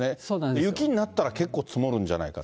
雪になったら、結構積もるんじゃないかと。